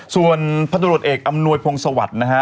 ส่วนพันธุรกิจเอกอำนวยพงศวรรค์นะฮะ